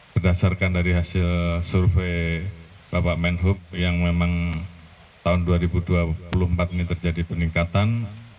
berdasarkan dari hasil survei bapak menhub yang memang tahun dua ribu dua puluh empat ini terjadi peningkatan